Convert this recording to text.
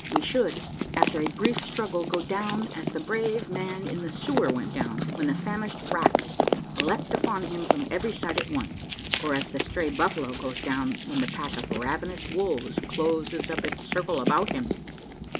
We should, after a brief struggle, go down as the brave man in the sewer went down, when the famished rats leaped upon him from every side at once, or as the stray buffalo goes down when the pack of ravenous wolves closes up its circle about him.